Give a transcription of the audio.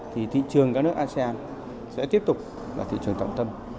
thì thị trường các nước asean sẽ tiếp tục là thị trường trọng tâm